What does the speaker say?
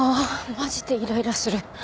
マジでイライラする。